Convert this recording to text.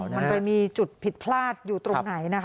มันไปมีจุดผิดพลาดอยู่ตรงไหนนะคะ